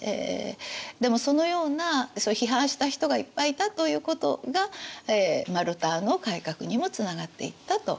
ででもそのようなそういう批判した人がいっぱいいたということがルターの改革にもつながっていったと。